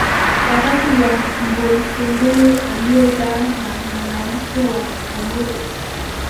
watatu wa mbunsungulu aliozaa na mwanamke wa kikaguru